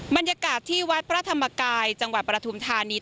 บรรยากาศที่วัดพระธรรมกายจังหวัดปฐุมธานี